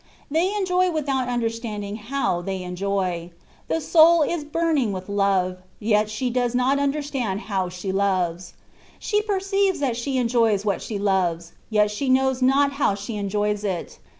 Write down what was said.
They enjoy without understanding how they enjoy : the soul is burning with love, yet she does not imder stand how she loves. She perceives that she enjoys what she loves, yet she knows not how she enjoys it.